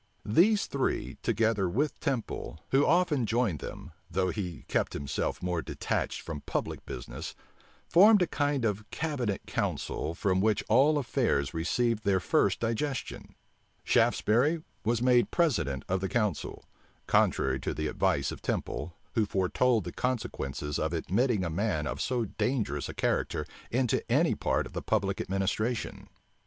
These three, together with Temple, who often joined them, though he kept himself more detached from public business, formed a kind of cabinet council, from which all affairs received their first digestion. Shaftesbury was made president of the council; contrary to the advice of Temple, who foretold the consequences of admitting a man of so dangerous a character into any part of the public administration.